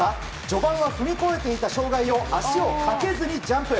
序盤は踏み越えていた障害を足をかけずにジャンプ。